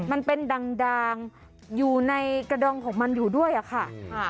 มันเป็นดางอยู่ในกระดองของมันอยู่ด้วยอะค่ะ